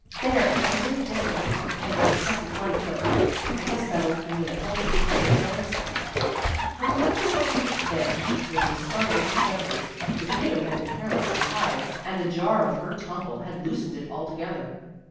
"There, I didn't disobey Aunt Peggy, 'cept with one foot. I guess that old canoe pulled me in its own self." Her complacency vanished with a startling discovery. The canoe had been carelessly tied and the jar of her tumble had loosened it altogether.